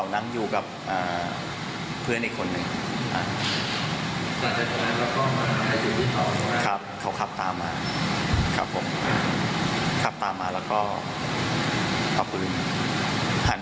แล้วก็มาเติมลดแล้วรถผมก็ล้มลง